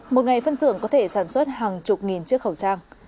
một ngày phân xưởng có thể sản xuất hàng chục nghìn chiếc khẩu trang